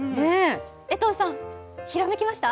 江藤さん、ひらめきました？